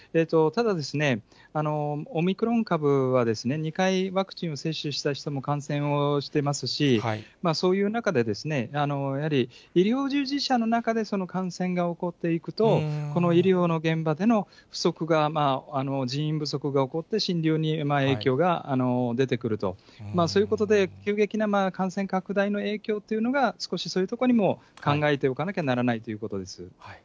ただ、オミクロン株は２回ワクチンを接種した人も感染をしてますし、そういう中で、やはり医療従事者の中で感染が起こっていくと、この医療の現場での不足が、人員不足が起こって、診療に影響が出てくると、そういうことで、急激な感染拡大の影響というのが少し、そういう所にも考えておかなきゃならないということです。